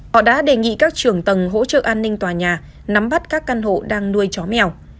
họ đã đề nghị các trưởng tầng hỗ trợ an ninh tòa nhà nắm bắt các căn hộ đang nuôi chó mèo